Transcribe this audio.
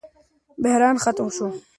بحران ختم شو.